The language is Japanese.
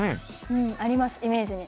うんありますイメージに。